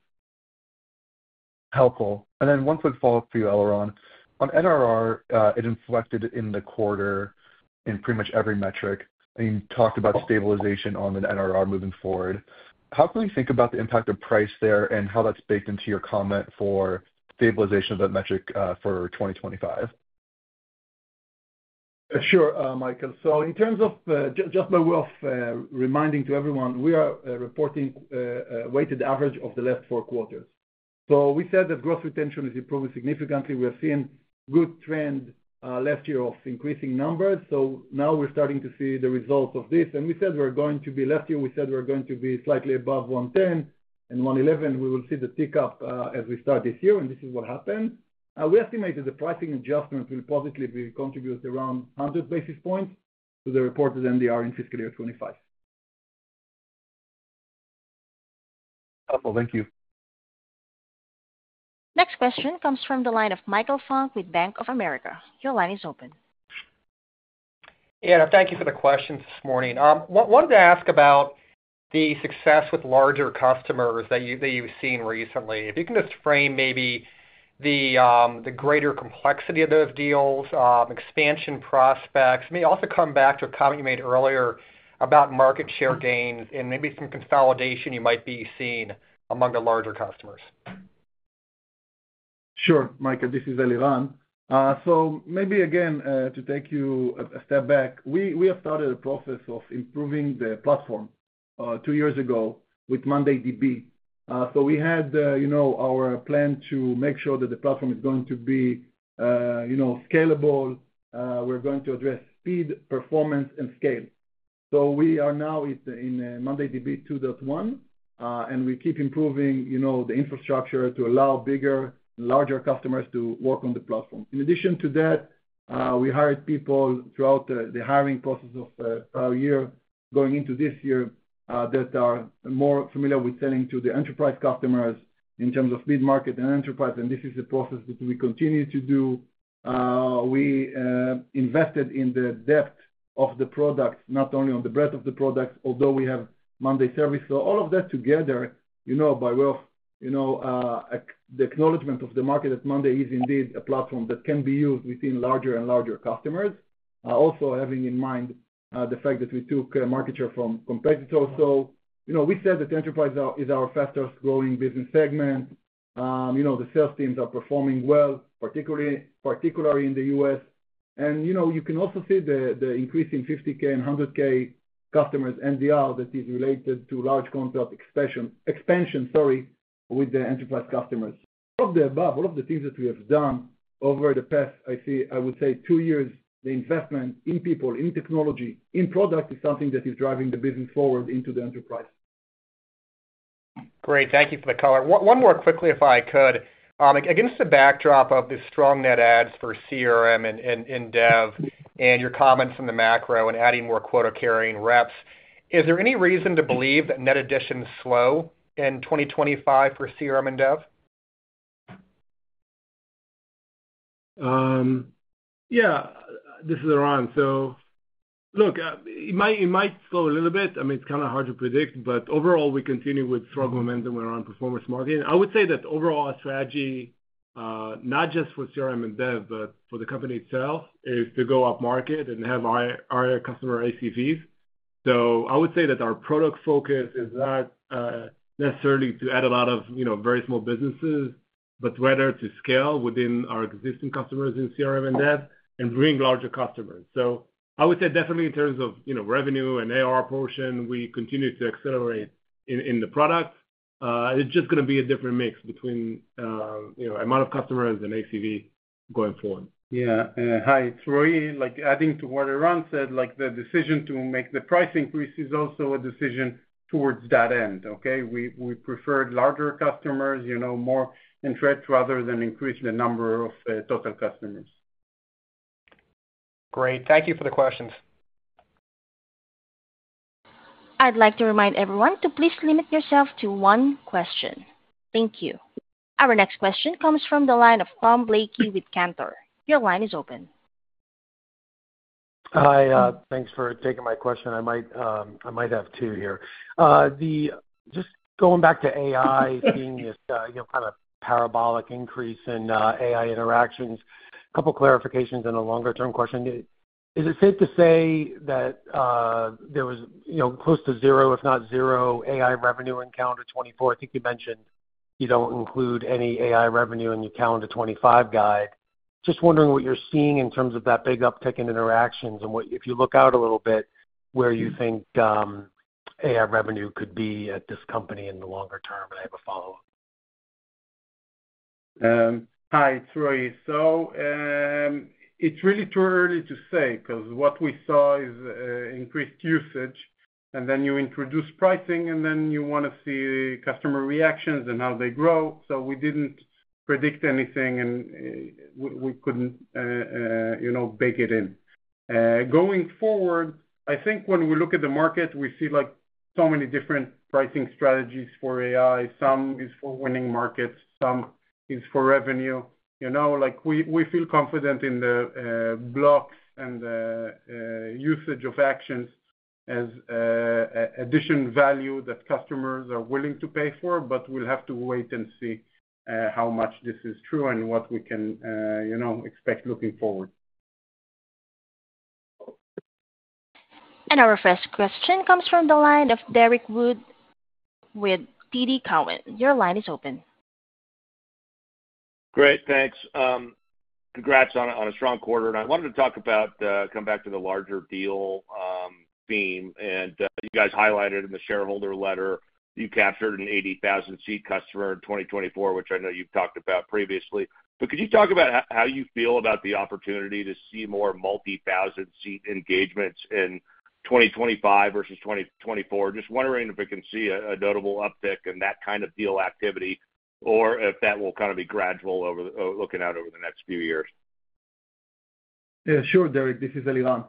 Helpful. And then one quick follow-up for you, Eran. On NDR, it inflected in the quarter in pretty much every metric. And you talked about stabilization on the NDR moving forward. How can we think about the impact of price there and how that's baked into your comment for stabilization of that metric for 2025? Sure, Michael. So in terms of just worth reminding to everyone, we are reporting a weighted average of the last four quarters. So we said that gross retention is improving significantly. We have seen a good trend last year of increasing numbers. So now we're starting to see the results of this. And we said last year we're going to be slightly above 110 and 111. We will see the tick up as we start this year, and this is what happened. We estimated the pricing adjustment will positively contribute around 100 basis points to the reported NDR in fiscal year 2025. Helpful. Thank you. Next question comes from the line of Michael Funk with Bank of America. Your line is open. Yeah. Thank you for the questions this morning. I wanted to ask about the success with larger customers that you've seen recently. If you can just frame maybe the greater complexity of those deals, expansion prospects. Maybe also come back to a comment you made earlier about market share gains and maybe some consolidation you might be seeing among the larger customers. Sure. Michael, this is Eliran. So maybe again, to take you a step back, we have started a process of improving the platform two years ago with mondayDB. So we had our plan to make sure that the platform is going to be scalable. We're going to address speed, performance, and scale. So we are now in mondayDB 2.1, and we keep improving the infrastructure to allow bigger and larger customers to work on the platform. In addition to that, we hired people throughout the hiring process of our year going into this year that are more familiar with selling to the enterprise customers in terms of mid-market and enterprise. And this is the process that we continue to do. We invested in the depth of the products, not only on the breadth of the products, although we have monday service. So all of that together, by way of the acknowledgment of the market that monday is indeed a platform that can be used within larger and larger customers, also having in mind the fact that we took market share from competitors. So we said that enterprise is our fastest growing business segment. The sales teams are performing well, particularly in the U.S. And you can also see the increase in 50K and 100K customers NDR that is related to large contract expansion, sorry, with the enterprise customers. All of the above, all of the things that we have done over the past, I would say, two years, the investment in people, in technology, in product is something that is driving the business forward into the enterprise. Great. Thank you for the color. One more quickly, if I could. Against the backdrop of the strong net adds for CRM and dev and your comments on the macro and adding more quota-carrying reps, is there any reason to believe that net addition is slow in 2025 for CRM and dev? Yeah. This is Eran. So look, it might slow a little bit. I mean, it's kind of hard to predict, but overall, we continue with strong momentum around performance marketing. I would say that overall our strategy, not just for CRM and dev, but for the company itself, is to go upmarket and have higher customer ACVs. So I would say that our product focus is not necessarily to add a lot of very small businesses, but rather to scale within our existing customers in CRM and dev and bring larger customers. So I would say definitely in terms of revenue and ARR portion, we continue to accelerate in the product. It's just going to be a different mix between the amount of customers and ACV going forward. Yeah. Hi. So really, adding to what Eran said, the decision to make the price increase is also a decision towards that end, okay? We preferred larger customers, more interest rather than increasing the number of total customers. Great. Thank you for the questions. I'd like to remind everyone to please limit yourself to one question. Thank you. Our next question comes from the line of Tom Blakey with Cantor. Your line is open. Hi. Thanks for taking my question. I might have two here. Just going back to AI, seeing this kind of parabolic increase in AI interactions, a couple of clarifications and a longer-term question. Is it safe to say that there was close to zero, if not zero, AI revenue in calendar 2024? I think you mentioned you don't include any AI revenue in your calendar 2025 guide. Just wondering what you're seeing in terms of that big uptick in interactions and if you look out a little bit where you think AI revenue could be at this company in the longer term, and I have a follow-up. Hi. It's Roy. So it's really too early to say because what we saw is increased usage, and then you introduce pricing, and then you want to see customer reactions and how they grow. So we didn't predict anything, and we couldn't bake it in. Going forward, I think when we look at the market, we see so many different pricing strategies for AI. Some is for winning markets. Some is for revenue. We feel confident in the Blocks and the usage of actions as additional value that customers are willing to pay for, but we'll have to wait and see how much this is true and what we can expect looking forward. And our first question comes from the line of Derrick Wood with TD Cowen. Your line is open. Great. Thanks. Congrats on a strong quarter. And I wanted to talk about coming back to the larger deal theme. And you guys highlighted in the shareholder letter you captured an 80,000-seat customer in 2024, which I know you've talked about previously. But could you talk about how you feel about the opportunity to see more multi-thousand-seat engagements in 2025 versus 2024? Just wondering if we can see a notable uptick in that kind of deal activity or if that will kind of be gradual looking out over the next few years. Yeah. Sure, Derrick. This is Eliran.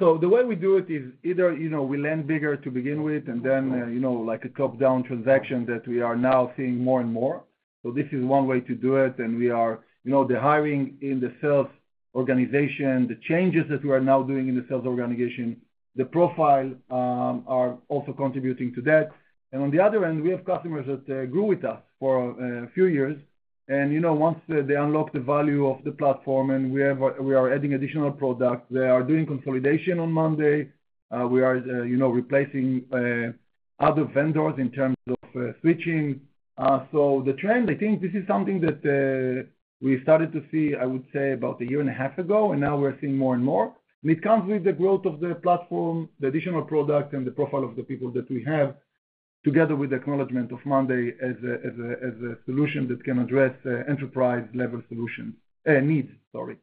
So the way we do it is either we land bigger to begin with and then a top-down transaction that we are now seeing more and more. So this is one way to do it. And we are the hiring in the sales organization, the changes that we are now doing in the sales organization, the profile are also contributing to that. And on the other end, we have customers that grew with us for a few years. And once they unlock the value of the platform and we are adding additional products, they are doing consolidation on monday. We are replacing other vendors in terms of switching. So the trend, I think this is something that we started to see, I would say, about a year and a half ago, and now we're seeing more and more. It comes with the growth of the platform, the additional product, and the profile of the people that we have, together with the acknowledgment of monday.com as a solution that can address enterprise-level solution needs, sorry.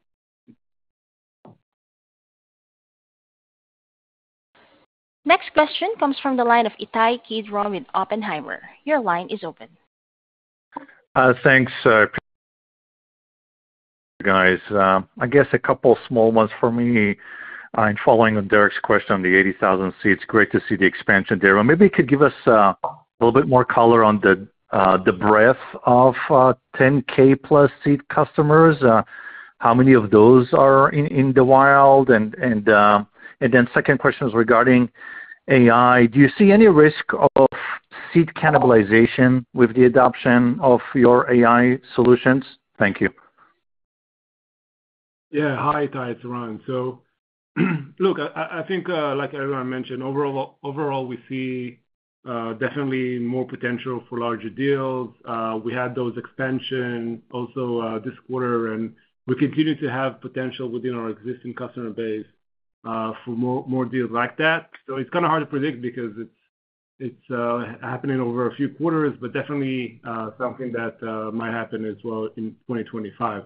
Next question comes from the line of Ittai Kidron with Oppenheimer. Your line is open. Thanks, guys. I guess a couple of small ones for me. In following on Derrick's question on the 80,000 seats, great to see the expansion there. Maybe you could give us a little bit more color on the breadth of 10K+ seat customers. How many of those are in the wild? And then second question is regarding AI. Do you see any risk of seat cannibalization with the adoption of your AI solutions? Thank you. Yeah. Hi, Ittai. It's Eran. So look, I think, like Eliran mentioned, overall, we see definitely more potential for larger deals. We had those expansions also this quarter, and we continue to have potential within our existing customer base for more deals like that. It's kind of hard to predict because it's happening over a few quarters, but definitely something that might happen as well in 2025.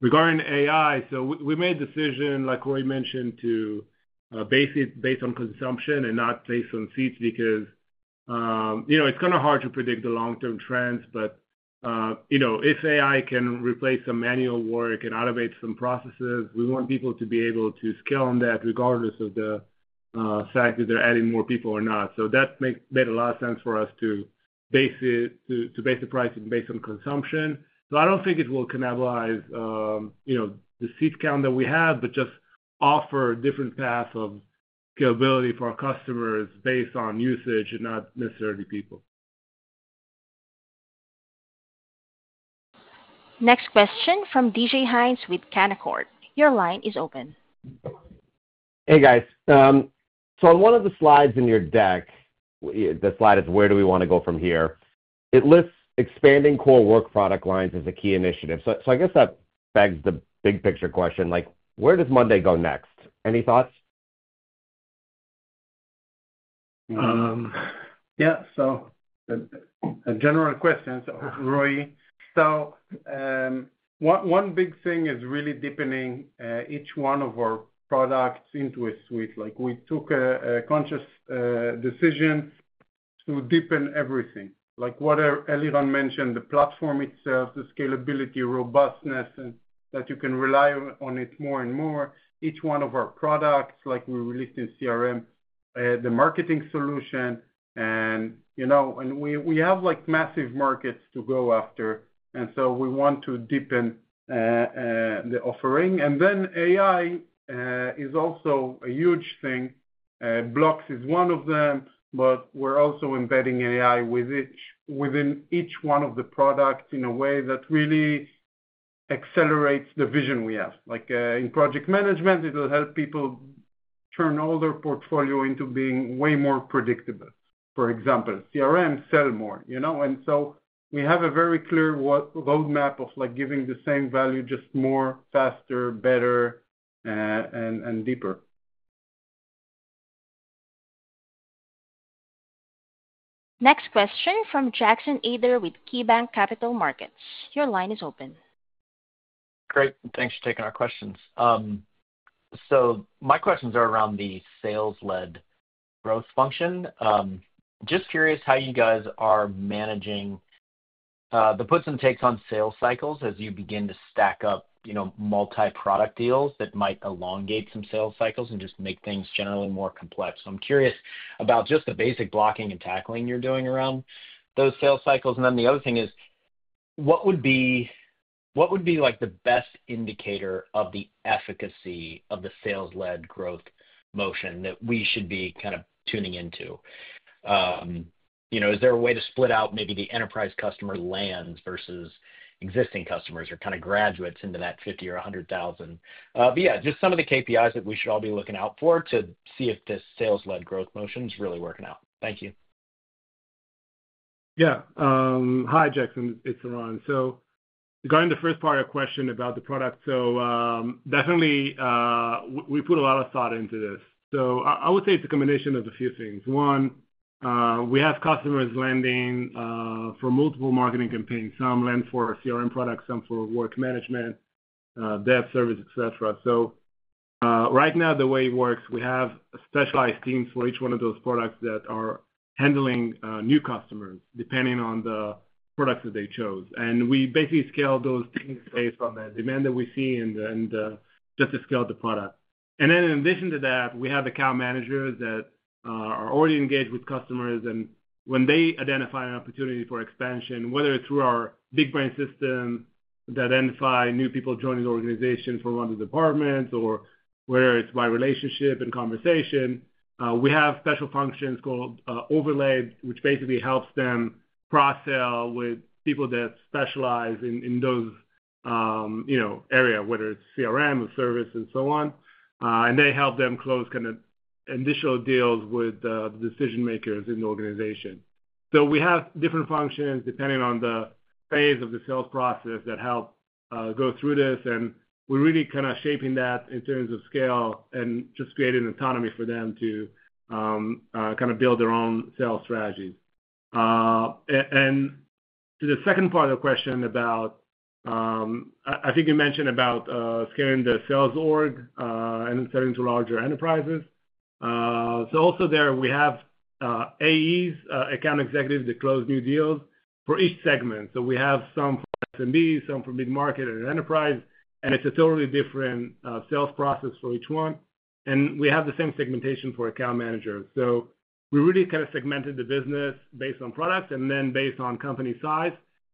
Regarding AI, we made a decision, like Roy mentioned, to base it based on consumption and not based on seats because it's kind of hard to predict the long-term trends. But if AI can replace some manual work and automate some processes, we want people to be able to scale on that regardless of the fact that they're adding more people or not. That made a lot of sense for us to base the pricing based on consumption. So I don't think it will cannibalize the seat count that we have, but just offer a different path of scalability for our customers based on usage and not necessarily people. Next question from D.J. Hynes with Canaccord. Your line is open. Hey, guys. So on one of the slides in your deck, the slide is, "Where do we want to go from here?" It lists expanding core work product lines as a key initiative. So I guess that begs the big-picture question, where does monday.com go next? Any thoughts? Yeah. So a general question, Roy. So one big thing is really deepening each one of our products into a suite. We took a conscious decision to deepen everything. Like what Eliran mentioned, the platform itself, the scalability, robustness, and that you can rely on it more and more. Each one of our products, like we released in CRM, the marketing solution, and we have massive markets to go after. And so we want to deepen the offering. And then AI is also a huge thing. Blocks is one of them, but we're also embedding AI within each one of the products in a way that really accelerates the vision we have. In project management, it will help people turn all their portfolio into being way more predictable. For example, CRM sells more. We have a very clear roadmap of giving the same value just more, faster, better, and deeper. Next question from Jackson Ader with KeyBanc Capital Markets. Your line is open. Great. Thanks for taking our questions. So my questions are around the sales-led growth function. Just curious how you guys are managing the puts and takes on sales cycles as you begin to stack up multi-product deals that might elongate some sales cycles and just make things generally more complex. So I'm curious about just the basic blocking and tackling you're doing around those sales cycles. And then the other thing is, what would be the best indicator of the efficacy of the sales-led growth motion that we should be kind of tuning into? Is there a way to split out maybe the enterprise customer lands versus existing customers or kind of graduates into that 50,000 or 100, 000? But yeah, just some of the KPIs that we should all be looking out for to see if this sales-led growth motion is really working out. Thank you. Yeah. Hi, Jackson. It's Eran. So regarding the first part of your question about the product, so definitely we put a lot of thought into this. So I would say it's a combination of a few things. One, we have customers landing for multiple marketing campaigns. Some land for CRM products, some for Work Management, Dev, Service, etc. So right now, the way it works, we have specialized teams for each one of those products that are handling new customers depending on the products that they chose. And we basically scale those teams based on the demand that we see and just to scale the product. And then in addition to that, we have account managers that are already engaged with customers. When they identify an opportunity for expansion, whether it's through our BigBrain system that identifies new people joining the organization from other departments or whether it's by relationship and conversation, we have special functions called overlay, which basically helps them cross-sell with people that specialize in those areas, whether it's CRM or service and so on. They help them close kind of initial deals with the decision-makers in the organization. We have different functions depending on the phase of the sales process that help go through this. We're really kind of shaping that in terms of scale and just creating autonomy for them to kind of build their own sales strategies. To the second part of the question about, I think you mentioned about scaling the sales org and selling to larger enterprises. So also there, we have AEs, account executives that close new deals for each segment. So we have some for SMBs, some for mid-market and enterprise. And it's a totally different sales process for each one. And we have the same segmentation for account managers. So we really kind of segmented the business based on products and then based on company size.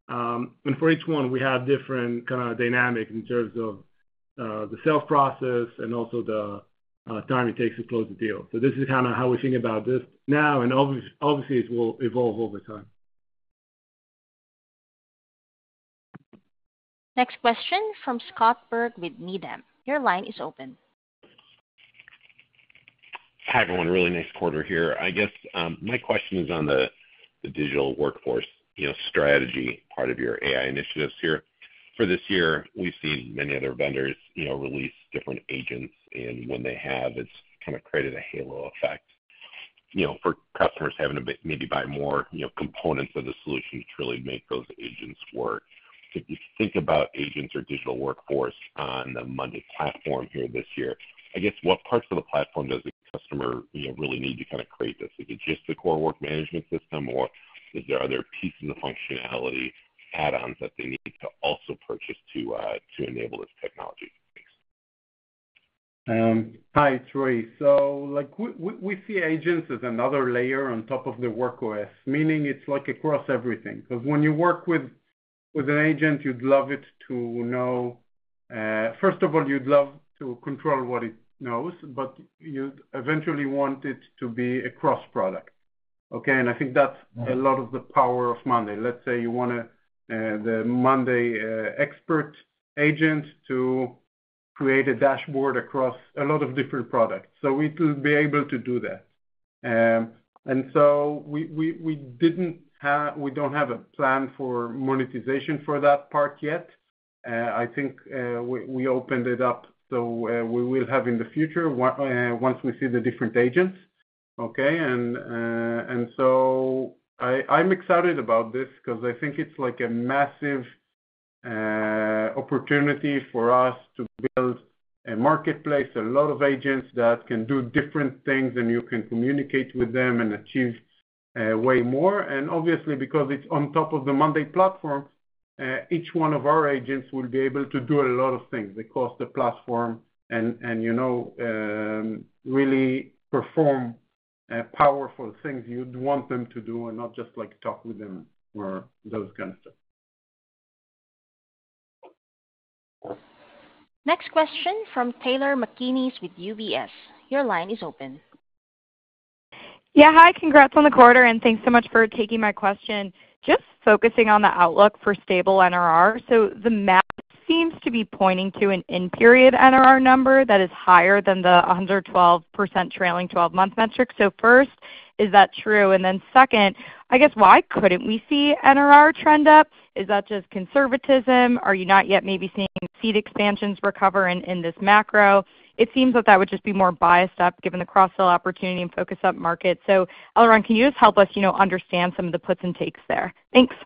And for each one, we have different kind of dynamics in terms of the sales process and also the time it takes to close the deal. So this is kind of how we think about this now, and obviously, it will evolve over time. Next question from Scott Berg with Needham. Your line is open. Hi everyone. Really nice quarter here. I guess my question is on the Digital Workforce strategy part of your AI initiatives here. For this year, we've seen many other vendors release different agents. And when they have, it's kind of created a halo effect for customers having to maybe buy more components of the solution to really make those agents work. If you think about agents or Digital Workforce on the monday platform here this year, I guess what parts of the platform does the customer really need to kind of create this? Is it just the core Work Management system, or are there other pieces of functionality, add-ons that they need to also purchase to enable this technology? Hi, Roy. So we see agents as another layer on top of the Work OS, meaning it's like across everything. Because when you work with an agent, you'd love it to know. First of all, you'd love to control what it knows, but you eventually want it to be a cross product. Okay? And I think that's a lot of the power of monday. Let's say you want the monday expert agent to create a dashboard across a lot of different products. So we'll be able to do that. And so we don't have a plan for monetization for that part yet. I think we opened it up. So we will have in the future once we see the different agents. Okay? And so I'm excited about this because I think it's like a massive opportunity for us to build a marketplace, a lot of agents that can do different things, and you can communicate with them and achieve way more. And obviously, because it's on top of the monday platform, each one of our agents will be able to do a lot of things across the platform and really perform powerful things you'd want them to do and not just talk with them or those kinds of stuff. Next question from Taylor McGinnis with UBS. Your line is open. Yeah. Hi. Congrats on the quarter. And thanks so much for taking my question. Just focusing on the outlook for stable NRR. So the math seems to be pointing to an end-period NRR number that is higher than the 112% trailing 12-month metric. So first, is that true? And then second, I guess why couldn't we see NRR trend up? Is that just conservatism? Are you not yet maybe seeing seat expansions recover in this macro? It seems that that would just be more biased up given the cross-sell opportunity and focus upmarket. So Eliran, can you just help us understand some of the puts and takes there? Thanks.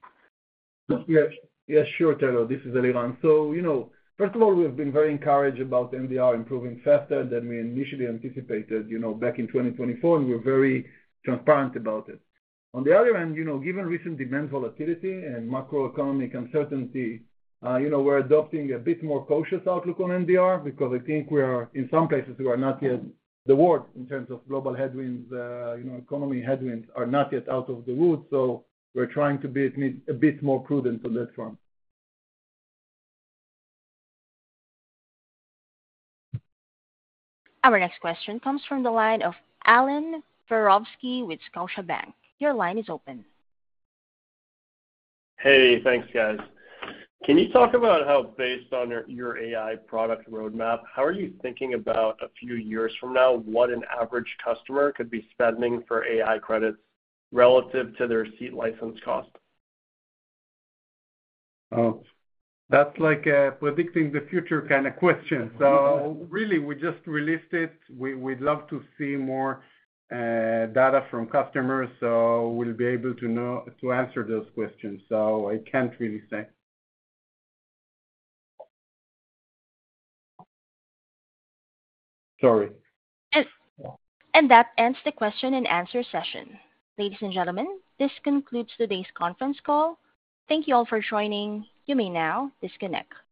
Yeah. Yeah. Sure, Taylor. This is Eliran. So first of all, we've been very encouraged about NDR improving faster than we initially anticipated back in 2024, and we're very transparent about it. On the other hand, given recent demand volatility and macroeconomic uncertainty, we're adopting a bit more cautious outlook on NDR because I think we are, in some places, we are not yet out of the woods in terms of global headwinds. Economy headwinds are not yet out of the woods. So we're trying to be a bit more prudent on that front. Our next question comes from the line of Allan Verkhovski with Scotiabank. Your line is open. Hey, thanks, guys. Can you talk about how, based on your AI product roadmap, how are you thinking about a few years from now what an average customer could be spending for AI credits relative to their seat license cost? That's like a predicting the future kind of question. So really, we just released it. We'd love to see more data from customers, so we'll be able to answer those questions. So I can't really say. Sorry. And that ends the question and answer session. Ladies, and gentlemen, this concludes today's conference call. Thank you all for joining. You may now disconnect.